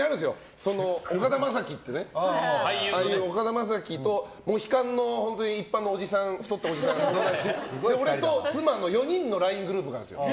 俳優の岡田将生とモヒカンの一般の太ったおじさんの友達俺と妻の４人のＬＩＮＥグループがあるんですよ。